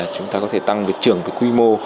chúng ta có thể tăng về trưởng với quy mô